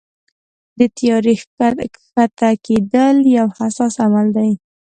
د طیارې کښته کېدل یو حساس عمل دی.